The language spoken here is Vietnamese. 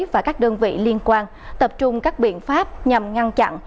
và các đơn vị liên quan tập trung các biện pháp nhằm ngăn chặn